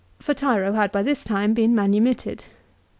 For Tiro had by this time been manumitted.